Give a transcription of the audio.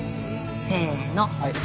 せの。